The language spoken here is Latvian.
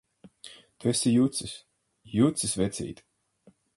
Tu esi jucis! Jucis, vecīt!